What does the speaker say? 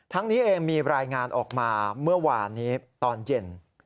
นี้เองมีรายงานออกมาเมื่อวานนี้ตอนเย็น